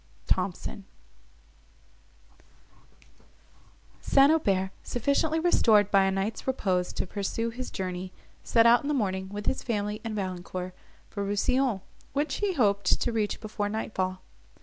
THOMSON St. Aubert, sufficiently restored by a night's repose to pursue his journey, set out in the morning, with his family and Valancourt, for Rousillon, which he hoped to reach before night fall.